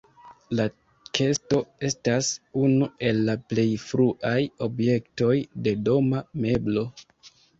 La kesto estas unu el la plej fruaj objektoj de doma meblo.